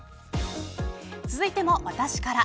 続いても私から。